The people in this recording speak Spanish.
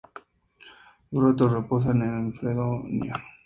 Sus restos reposan en Fredonia.